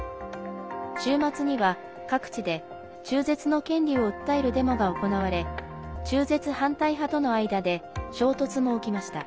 週末には各地で中絶の権利を訴えるデモが行われ中絶反対派との間で衝突も起きました。